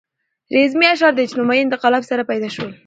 رزمي اشعار له اجتماعي انقلاب سره پیدا شول.